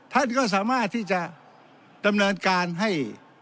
ท่านก็สามารถที่จะดำเนินการให้